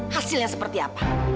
hasilnya seperti apa